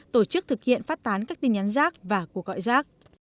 tổ chức thực hiện phát tán các tin nhắn rác và cuộc gọi rác